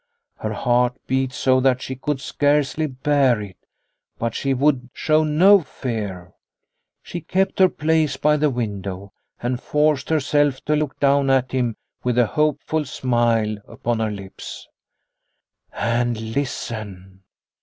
Her heart beat so that she could scarcely bear it, but she would show no fear. She kept her place by the window, 268 Liliecrona's Home and forced herself to look down at him with a hopeful smile upon her lips. And listen